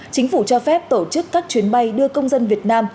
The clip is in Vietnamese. chính phủ cho phép tổ chức các chuyến bay đưa công dân việt nam